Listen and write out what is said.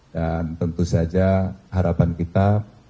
dan tentu saja harapan kita